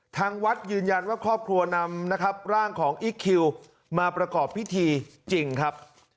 ทางวัดยืนยันว่าครอบครัวนำนะครับร่างของอีคคิวมาประกอบพิธีจริงครับ